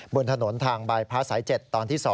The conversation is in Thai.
บนถนนทางบายพระสาย๗ตอนที่๒